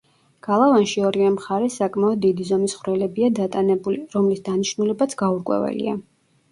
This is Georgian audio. გალავანში ორივე მხარეს საკმაოდ დიდი ზომის ხვრელებია დატანებული, რომლის დანიშნულებაც გაურკვეველია.